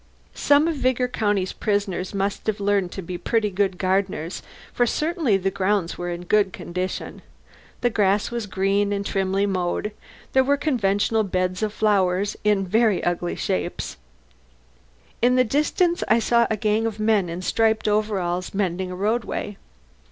Some of Vigor county's prisoners must have learned to be pretty good gardeners, for certainly the grounds were in good condition. The grass was green and trimly mowed; there were conventional beds of flowers in very ugly shapes; in the distance I saw a gang of men in striped overalls mending a roadway.